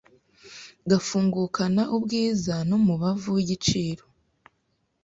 gafungukana ubwiza n’umubavu w’igiciro